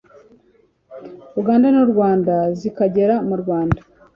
Uganda n u Rwanda zikagera murwanda